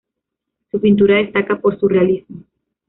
Su pintura destaca por su realismo.